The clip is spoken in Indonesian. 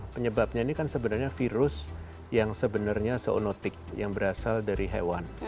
penyebabnya ini kan sebenarnya virus yang sebenarnya seonotik yang berasal dari hewan